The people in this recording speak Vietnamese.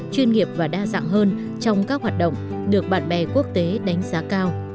chuyên nghiệp và đa dạng hơn trong các hoạt động được bạn bè quốc tế đánh giá cao